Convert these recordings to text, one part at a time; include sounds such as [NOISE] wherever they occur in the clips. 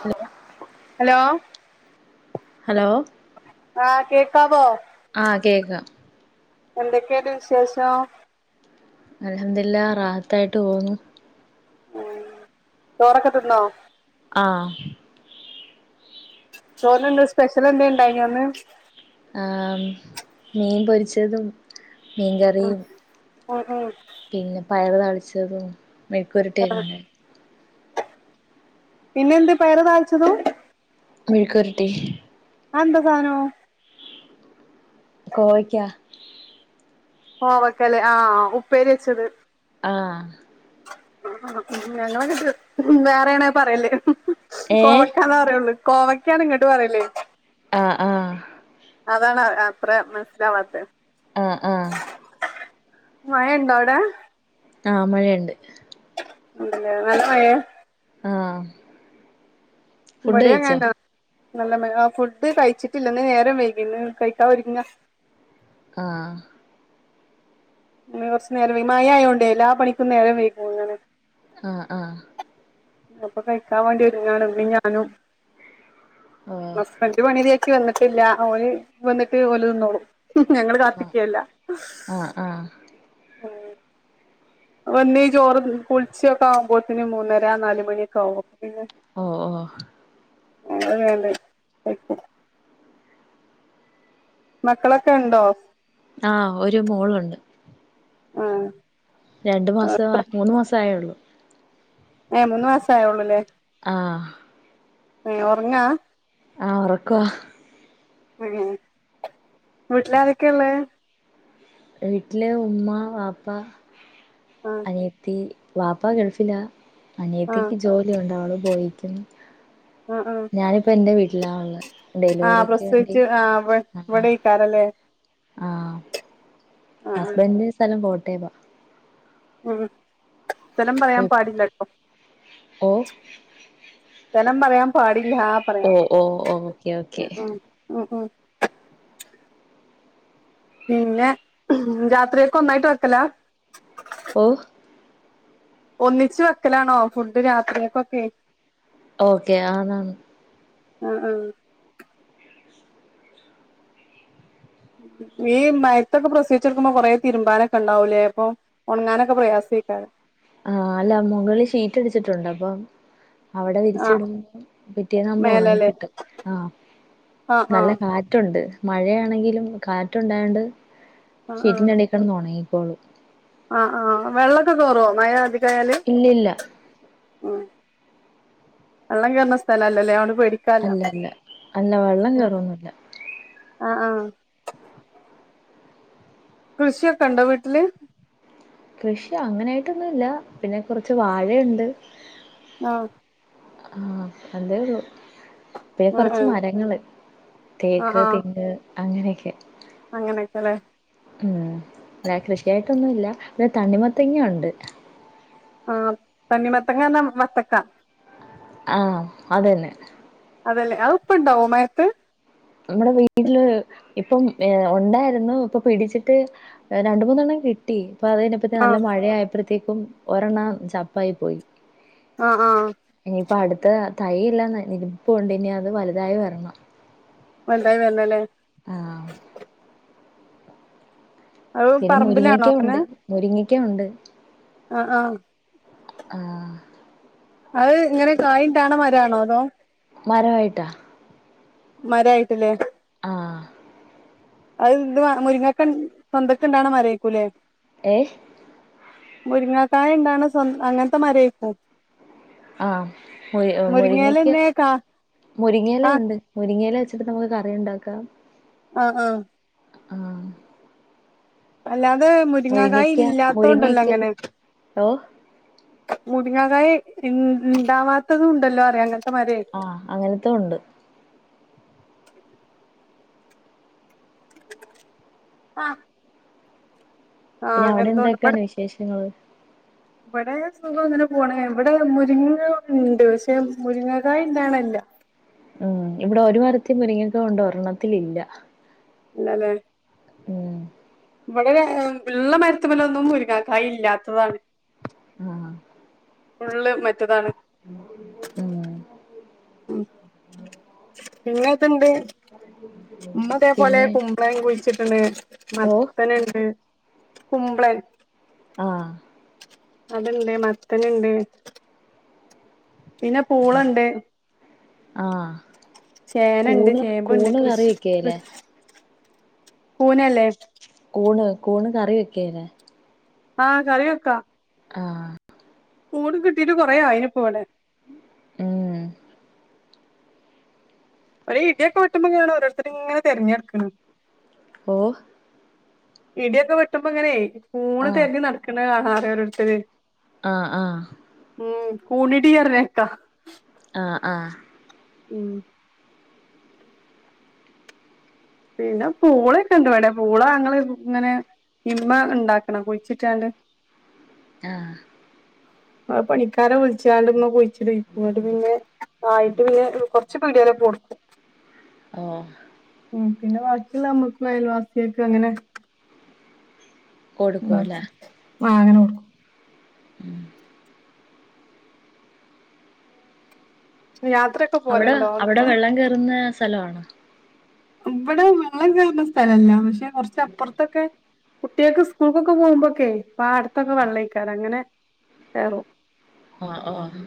Hello hello hello ആഹ് കേക്കാവോ ആഹ് കേക്ക എന്തൊക്കെയണ്ട് വിശേഷം അൽഹംദുലില്ലാഹ് റാഹത്തായിട്ട് പോന്നു ഉം ചോറൊക്കെ തിന്നോ ആഹ് ചോറിനെന്താ സ്പെഷ്യൽ എന്താ ഇണ്ടായിഞ്ഞ് ഇന്ന് ആ മീൻ പൊരിച്ചതും മീൻകറിയും ഉം ഉം പിന്നെ പയർ താളിച്ചതും മേഴ്ക്ക്വരട്ടിയൊക്കെ ഉണ്ടായിരുന്നു പിന്നെന്ത് പേര താളിച്ചതും മെഴ്ക്ക്വരട്ടി അതെന്താ സാനോ കോവയ്ക്കാ കോവക്കല്ലേ ആഹ് ഉപ്പേരി വെച്ചത് ആഹ് ഞങ്ങളൊക്ക്ണ്ട് വേറെയാണ് പറയല് ഏഹ് കോവക്കാന്ന പറയുള്ളൂ കോവയ്ക്കാണ് ഇങ്ങ്ട്ട് പറയലേ ആ ആഹ് അതാണ് അത്ര മനസിലാവാത്തത് ആ ആ മഴയുണ്ടോ അവിടെ ആ മഴയുണ്ട് നല്ല മഴയാ ആഹ് ഫുഡ് ഇവടയും കഴിച്ചോ അങ്ങനെതന്നാ നല്ല മഴ ആ ഫുഡ് കഴിച്ചിട്ടില്ല ഇന്ന് നേരം വൈകിന്ന് കഴിക്കാഒര്ങ്ങാ ആഹ് കൊറച്ച് നേരമായി മായായോണ്ടേ എല്ലാ പണിക്കും നേരം വൈകിപ്പോകുന്നാണ് ആ ആ അപ്പൊ കഴിക്കാൻ വേണ്ടി ഇരുന്നാണ് ഉമ്മേം ഞാനും ഓഹ് ഹസ്ബന്റ് പണിമതിയാക്കി വന്നിട്ടില്ല ഓല് വന്നിട്ട് ഓലിരുന്നോളും ഞങ്ങൾ ആഹ് കാത്തിക്കല്ല ആഹ് ആഹ് ഉം വന്ന് ചോറ് കുളിച്ചൊക്കെ ആവുമ്പോത്തിന് മൂന്നര നാല്മണിയൊക്കാകും ഓ ഓ വന്നുങ്ങാണ്ട് കയിക്കും മക്കളൊക്കെ ഉണ്ടോ ആഹ് ഒരു മോളുണ്ട് ആഹ് രണ്ട് മാസം മൂന്ന് മാസെ ആയുള്ളൂ ഏഹ് മൂന്നു മാസെ ആയുള്ളൂ ല്ലേ ആഹ് ഏഹ് ഒറങ്ങാ ആഹ് ഒറക്കവാ ഉമ് വീട്ടിൽ ആരോക്ക ഉള്ളേ വീട്ടില് ഉമ്മ, വാപ്പ, ആഹ് അനിയത്തി. വാപ്പാ ഗൾഫിലാ ആഹ് അനിയത്തിക്ക് ജോലി ഉണ്ട് അവൾ പോയിക്ണ്. ആഹ് ആഹ് ഞാനിപ്പോ ഇന്റെ വീട്ടിലാ ഉളേ. ആഹ് ഡെലിവറിക്ക് വേണ്ടി പ്രസവിച്ച് ആഹ് ഇവ വന്നാ ഇവടേക്കാരല്ലേ ആഹ് ആഹ് ആഹ് ഹസ്ബന്റ് സ്ഥലം കോട്ടെ വാ ഉമ് സ്ഥലം പറയാൻ പാടില്ല ട്ടോ. ഓ സ്ഥലം പറയാൻ പാടില്ല പറ പറയാം ഓ ഓ ഓക്കെ ഓക്കെ ഉമ് ഉമ് ഉമ് പിന്നെ രാത്രിയക്ക് ഒന്നായിട്ട് വെക്കല ഓ ഒന്നിച്ച് വെക്കലാണോ ഫുഡ് രാത്രിക്കൊക്കെ. ഓക്കെ ആണാ ണ്. ആഹ് ആഹ് ഈ മഴത്തൊക്കെ പ്രസവിച്ച് കെട്ക്കുമ്പോ കൊറേ തിര്മ്പാനൊക്കെ ഇണ്ടാവൂലെ അപ്പം ഒണ്ങ്ങാനൊക്കെ പ്രയാ സം എയ്ക്കാരം ആഹ് അല്ല മുകളിൽ ഷീറ്റ് വിരിച്ചിട്ട് ഉണ്ട് അപ്പം അവ്ടെ ആ വിരിച്ച് ഇടും പിറ്റേന്നാവുമ്പോ ഒണങ്ങി മേലല്ലേ കിട്ടും. ആഹ് ആ ആ നല്ല കാറ്റുണ്ട് മഴയാണെങ്കിലും കാറ്റ് ഉണ്ടായാണ്ട് ഷീറ്റിന്റെ അടി കെട്ന്ന് ഓണങ്ങിക്കോളും ആഹ് ആഹ് വെള്ള ഒക്കെ കേറോ? മഴ അധികായാൽ ഇല്ലില്ല ഉം വള്ളം കേറ്ണ സ്ഥലം അല്ലലെ അഹോണ്ട് അല്ല അല്ല അല്ല വെള്ളം കെറോന്നും ഇല്ല. ആഹ് ആഹ് കൃഷിയൊക്കെ ഇണ്ടോ വീട്ടിൽ? കൃഷി അങ്ങനെ ആയിട്ടൊന്നും ഇല്ല പിന്നെ കൊർച്ച് വാഴ ഇണ്ട് ആഹ് ആഹ് അതേ ഒള്ളു പിന്നെ ആ ആ കൊറ്ച്ച് മരങ്ങെൾ തേക്ക്, തെങ്ങ് അങ്ങനെ ഒക്കെ അങ്ങനെ ഒക്കെ ലെ ഉം ഇല്ല കൃഷിയായിട്ട്‌ ഒന്നും ഇല്ല പിന്നെ തണ്ണിമത്തെങ്ങ ഉണ്ട് ആഹ് തണ്ണി മത്തെങ്ങ പർണ വത്തക്ക ആഹ് അത് തെന്നെ. അതെ ലെ അഹ് ഇപ്പ ഇണ്ടാവോ മഴെത്ത് നമ്മളെ വീട്ട്ൽ ഇപ്പം ഏഹ് ഒണ്ടായിരുന്നു ഇപ്പം പിടിച്ചിട്ട് രണ്ട് മൂന്നെണ്ണം കിട്ടി ഇപ്പ അത് കഴിഞ്ഞപ്പത്തിന് നല്ല ആഹ് മഴയഴ്പ്പനത്തേക്കും ഒരെണ്ണം ചപ്പായി പോയി. ആഹ് ആഹ് ഇനി ഇപ്പ അട്ത്ത തൈയ് എല്ലാം ന നിൽപ്പുണ്ട് ഇനി അത് വല്തായി വര്ണം വലതായി വരണല്ലേ ആഹ് അത് പിന്നെ പറമ്പിലാണോ മുരിങ്ങക്ക അങ്ങനെ ഉണ്ട് മുരിങ്ങിക്ക ഉണ്ട് ആഹ് ആഹ് ആഹ് അത് ഇങ്ങനെ കായുണ്ടാണ മരാണോ അതോ മരവായിട്ടാ.. മരായിട്ടല്ലേ ആഹ് അത് [UNINTELLIGIBLE] മുരിങ്ങക്ക സ്വന്തക് ണ്ടാവുണ മരേകുലേ ഏയ് മുരിങ്ങാക്കായ ഉണ്ടാവുണേ സ്വ അങ്ങനത്തെ മരേക്കു ആഹ് മുരി മുരിങ്ങക്ക മുരിങ്ങേലന്നെ കാ മുരിങ്ങയില ആഹ് ഉണ്ട് മുരിങ്ങയില. [UNINTELLIGIBLE] നമുക്ക് കറിയുണ്ടാക്കാം. ആഹ് ആഹ് ആഹ് അല്ലാതെ മുരിങ്ങകായി മുരിങ്ങക്ക ഇല്ലാത്തോണ്ടല്ല മുരിങ്ങക്ക അങ്ങനെ ഓഹ് മുരിങ്ങകായി ണ്ടാവാത്തതും ഇണ്ടല്ലോ അറിയാൻ ക ആഹ് അങ്ങനത്തെ ഉണ്ട് ആഹ് പിന്നെ അവിടെ അങ്ങനത്തോണ്ട് ഇവടെ എന്തൊക്കെയാണ് വിശേഷങ്ങള് ഇവിടെ സുഖം അങ്ങനെ പോണ് ഇവിടെ മുരിങ്ങണ്ട് പക്ഷെ മുരിങ്ങകായ ഇണ്ടാവ്ണല്ല. ഉം ഇവിടെ ഒരു മരത്തി മുരിങ്ങകണ്ട് ഒരെണ്ണത്തിലില്ല. ഇല്ലല്ലേ? ഉം ഇവിടെ ഉള്ള മരത്ത്മ്മലൊന്നും മുരിങ്ങാ കായി ഇല്ലാത്തതാണ്. ആഹ് ഫുള്ള് മറ്റതാണ്. ഉം ഉം ഇന്ന് ണ്ട് ഇമ്മതേ പോലെ പിന്നെ കുമ്പളം കുഴിച്ചിട്ട്ണ്. ഓഹ് മത്തനുണ്ട് കുമ്പ്ളൻ. ആഹ് അത്ണ്ട് മത്തനുണ്ട് പിന്നെ പൂളണ്ട്. ആഹ് ചേനണ്ട് കൂണ് ചേമ്പ്ണ്ട് കൂണ് കറി കൃഷിക്ക് വെക്കേലെ കൂനല്ലേ? കൂണ് കൂണ് കറി വെക്കേല്ലേ? ആഹ് കറി വെക്കാ ആഹ് കൂണ് കിട്ടീട്ട് കൊറേ ആയിനിപ്പവിടെ. ഉം ഒരു ഇടിയൊക്കെ വെട്ടുമ്പ കാണാ ഓരോരുത്തരിങ്ങനെ തെരഞ്ഞ് നടക്ക്ണ്. ഓഹ് ഇടിയൊക്കെ വെട്ടുമ്പ ഇങ്ങനെയ് കൂണ് ആഹ് തെരഞ്ഞ് നടക്കണ കാണാ പറയാ ഓരോരുത്തര്. ആഹ് ആഹ് ഉം കൂണിടി [UNINTELLIGIBLE] ആഹ് ആഹ് ഉം പിന്നെ പൂളെക്കെണ്ട്വിടെ പൂളങ്ങള് ഇങ്ങനെ ഇമ്മ ഇണ്ടാക്കണം കുഴിച്ചിട്ടാണ്ട്. ആഹ് ആഹ് പണിക്കാരെ വിളിച്ചാണ്ട് ഇമ്മ കുയിച്ചിടീക്വാട്ട് പിന്നെ ആയിട്ട് പിന്നെ കൊറ്ച്ച് പിട്യെ കൊടുത്. ഓഹ് ഉം പിന്നെ ബാക്കിള്ള നമ്മക്ക് അയൽവാസിയാക്കങ്ങനെ. മാ കൊടുക്കുവല്ലേ ആഹ് അങ്ങനെ കൊടു. ഉം യാത്രയൊക്കെ അവിടെ പോവലുണ്ടോ അവിടെ അവ്ട്ക്ക് വെള്ളം കേറുന്ന സ്ഥലവാണോ ഇവിടെ വെള്ളം കെറണ സ്ഥലല്ല പക്ഷെ കൊറച്ചപ്പർത്തക്കെ കുട്യൾക്ക് സ്കൂൾക്കൊക്കെ പോമ്പോക്കെ പാടത്തൊക്കെ വെള്ളയിക്കാര് അങ്ങനെ. ആണോ ആഹ് ആഹ്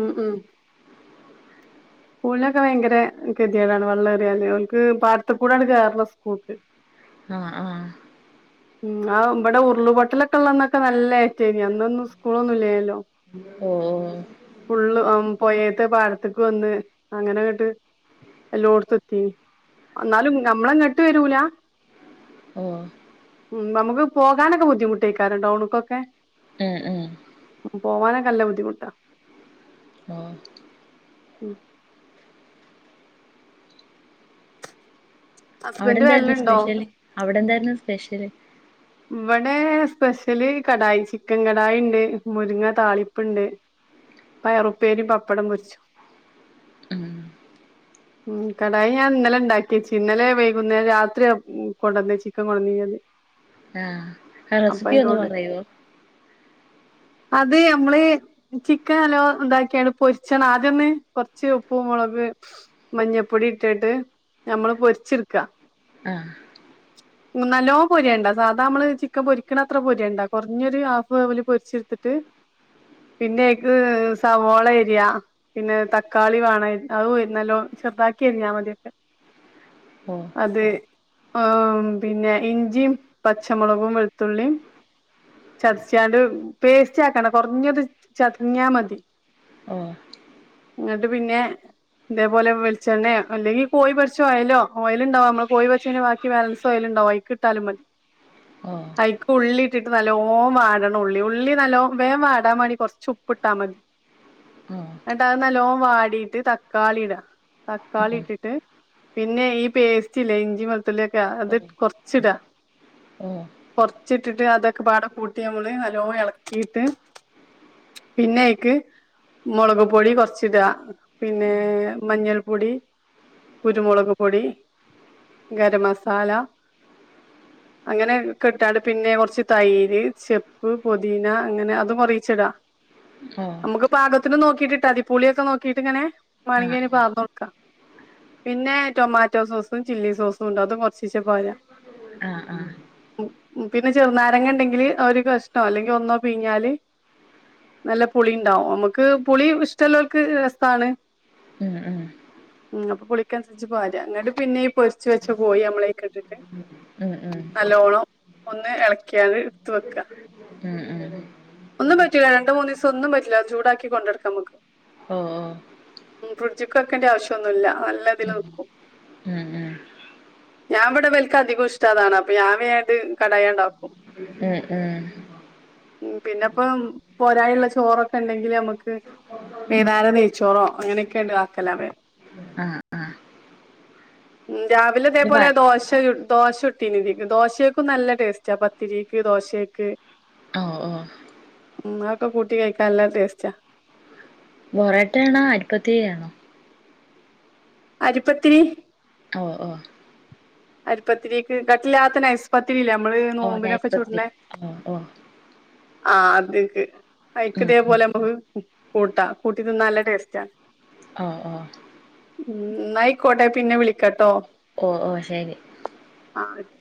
ഉം മ് കൂളിനൊക്കെ ബൈങ്കരെ കെധിയേടാണ് വള്ള എളിന്യോല്ക് പാട്ത്ത് കൂടാണ്ട് കേർണം സ്കൂൾക്ക്. ആഹ് ആഹ് ഉം ആഹ് ബടെ ഉറുളുപൊട്ടലൊക്കെ ഉള്ളന്നൊക്കെ നല്ല ഏറ്റേനി അന്നൊന്നും സ്കൂളൊന്നുംല്യേന്യല്ലോ. ഓഹ്. ഫുള്ള് ആം പോയേത്ത് പാട്ത്ത്ക്ക് വന്ന് അങ്ങനെങ്ങട്ട്. എല്ലോട്ത്ത് എത്തീ അന്നാലും നമ്മളെങ്ങട്ട് വരൂലാ. ഓഹ് ഓഹ് ഉം നമുക്ക് പോകാനൊക്കെ ബുദ്ധിമുട്ടേക്കാരം റ്റൗണ്ക്കൊക്കെ. ഉം ഉം. ഉം പോവാനൊക്കെ നല്ല ബുദ്ധിമുട്ടാ. ഓഹ്. ഉം. അവിടെ ഹസ്ബന്റ് എന്താര്ന്നു വരല്ണ്ടോ സ്പെഷ്യല് അവിടെ എന്താര്ന്നു സ്പെഷ്യല്? ഇവടെ സ്പെഷ്യല് കടായി ചിക്കൻ കടായി ണ്ട് മുരിങ്ങ താളിപ്പ്ണ്ട്. പയറുപ്പേരിം പപ്പടം പൊരിച്ചോ ഉം ഉമ് കടായി ഞാൻ ഇന്നലെ ഇണ്ടാക്കിയെച്ച് ഇന്നലെ വൈകുന്നേ രാത്രി അമ് കൊണ്ടുവന്ന ചിക്കൻ ചിക്കെൻ കൊടുന്നീനത്. [INAUDIBLE] ആഹ് ആ റെസിപ്പി ഒന്നു പറയോ? അത് മ്മള് ചിക്കൻ നല്ലോ ണ്ടാക്കിയാണ്ട് പൊരിച്ചണം ആദ്യൊന്ന് കൊർച്ച് ഉപ്പും മുളക്. മഞ്ഞ പൊടി ഇട്ടാട്ട് ഞമ്മള് പൊരിച്ചട്ക്ക. ആഹ് നല്ലോ പൊര്യണ്ട. സാധാ മ്മള് ചിക്കൻ പൊരിക്ക്ണ അത്ര പൊര്യണ്ട കൊർഞ്ഞൊരു ഹാഫ് വേവ് പൊരിച്ച്ട്ത്തിട്ട്. പിന്നയ്ക്ക് സവോളരിയ പിന്നെ തക്കാളി വേണ അതും നല്ലോ ചേർതാക്കി അരിഞ്ഞമതിയൊക്കെ. ഓഹ് അത് ആഹ് പിന്നെ ഇഞ്ചിം. പച്ചമുളകും വെളുത്തുള്ളിം. ചതച്ചാണ്ട് പേസ്റ്റ് ആക്കണ്ട കൊർഞൊര് ചതഞ്ഞാ മതി. ഓഹ് ഇങ്ങട്ട് പിന്നെ. ഇതേ പോലെ വെൾചെണ്ണേ അല്ലെങ്കി കോയി പൊരിച്ചോയലോ ഓയിൽണ്ടാവും മ്മള് കോയി പൊരിച്ചിന്റെ ബാക്കി ബാലൻസോയിൽ. ഓഹ് അയിക്കിട്ടാലും മതി. ഓഹ് ഐക്ക് ഉള്ളി ഇട്ടിട്ട് നല്ലോ വാടണം ഉള്ളി ഉള്ളി നല്ലോ വേം വാടാൻ വേണ്ടി കൊറച്ച് ഉപ്പ്ട്ടാ മതി. ഓഹ് ങ്ങട്ട് അഹ് നല്ലോ വാടിട്ട് തക്കാളി ഇടാ തക്കാളി ഉം ഇട്ടിട്ട്. പിന്നെ ഈ പേസ്റ്റിലെ ഇഞ്ചിം, വെളുത്തുള്ളിയൊക്കെ അത് ഓഹ് കൊർച്ചിടാ. ഓഹ് കൊർച്ചിട്ടിട്ട് അതൊക്കെ പാട കൂട്ടി നമ്മള് നല്ലോ എളക്കീട്ട്. പിന്ന അയ്ക്ക്. മൊളക് പൊടി കൊർച്ചിട പിന്നെ മഞ്ഞൾപ്പൊടി. കുരുമുളക് പൊടി, ഗര മസാല. അങ്ങനെക്കെട്ടാണ്ട് പിന്നെ കൊർച്ച് തൈര്, ചെപ്പ്, പൊതീന, അങ്ങനെ അതും കൊറീച്ചിടാ ഓഹ് അമ്മക്ക് പാകത്തിന് നോക്കി ക്കിട്ടിട്ടാ മതി പുളിയൊക്കെ നോക്കിട്ട്ങ്ങനെ മാണങ്കി ആഹ് ഇനി ആഹ് പാർന്നൊട്ക്കാ. പിന്നെ ടൊമാറ്റോ സോസും, ചില്ലി സോസും, ഇണ്ട് അതും കൊർച്ചീശെ പാരാ ആഹ് ആഹ് ഉം ഉം പിന്നെ ചെർനാരങ്ങ ഇണ്ടെങ്കില് ഒരു കഷ്ണോ അല്ലെങ്കി ഒന്നോ പിഴിഞ്ഞാല് നല്ല പുളി ഇണ്ടാവും അമ്മക്ക് പുളി ഇഷ്ട്ടള്ളോല്ക്ക് രസാണ്. ഉം ഉം. ഉം അപ്പ പുളിക്കൻസരിച്ച് പാരാ ഇന്നട്ട് പിന്നെ ഈ പൊരിച്ച് വെച്ച കോയി അമ്മള് അയിക്കെട്ടട്ട് ഉം ഉം നല്ലോളം ഒന്ന് എൾക്ക്യാണ്ട് ഇട്ത്ത് വെക്ക. ഉം ഉം ഉം. ഒന്നും പറ്റൂല രണ്ട് മൂന്നീസം ഒന്നും പറ്റൂല ചൂടാക്കി കൊണ്ടടുക്കാംമ്മക്ക്. ആ ആ. ഉം ഫ്രിഡ്ജ് വെക്കേണ്ട ആവശ്യന്നുല്ല നല്ല ഇതിൽ ഉം നിക്കും. ഉം ഉം ഞാൻ ഇവിടെ വൽക്ക് അധികം ഇഷ്ടാതാണ് അപ്പൊ വേഗം ഞാനത് കടായി ഉണ്ടാക്കും. ഉം ഉം ഉ പിന്നെപ്പ പോരായുള്ള ചോറൊക്കെ ഉണ്ടെങ്കില് നമ്മുക്ക് വൈന്നേരം നെയ്ച്ചോറോ അങ്ങനെയൊക്കെയ ഉണ്ട് ആക്കല വേണം ആഹ് ആഹ് ഉം രാവിലെ ഇവ ഇതേപോലെ ദോശ ചുട് ദോശ ചുട്ടീ ന് ഇത്ക്ക് ദോശക്കും നല്ല ടേസ്റ്റാ പത്തിരീക്ക് ദോശക്ക് ഓ ഓ ഉം ആക്കോ കൂട്ടി കഴിക്കാൻ നല്ല ടെസ്റ്റാ. ബൊറാട്ട ആണോ അരി പത്തിരി ആണോ? അരിപ്പത്തിരി ഓ ഓ അരിപ്പത്തിരിക്ക് കട്ടില്ലാത്ത നൈസ് പത്തിരില്ലേ നമ്മൾ ഓ നൈസ് നോമ്പിനൊക്കെ പത്തിരി ചൂട്ണേ ഓ ഓ ആ അത്ക്ക് ഐക്ക് ഉം ദേ ഉം പോലെ നമ്മൾ കു കൂട്ടാ കൂട്ടി തിന്നാൻ നല്ല ടേസ്റ്റാ ഓ ഓ ഉം ന്നയിക്കോട്ടെ പിന്നെ വിളിക്കട്ടോ. ഓ ഓ ശരി ആഹ്